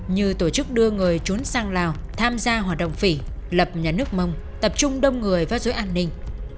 như tổ chức đưa người trốn sang lào tham gia hoạt động phỉ lập nhà nước mông tập trung đông người vào dối an ninh